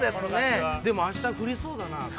でも、明日降りそうだな。